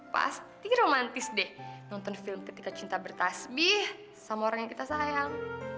pasti romantis deh nonton film ketika cinta bertasbih sama orang yang kita sayang